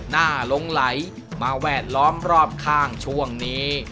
หลงไหลมาแวดล้อมรอบข้างช่วงนี้